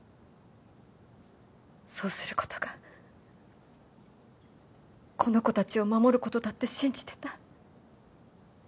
そうすることがこの子たちを守ることだって信じてた。